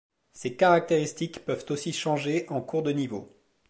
Ces caractéristiques peuvent aussi changer en cours de niveau.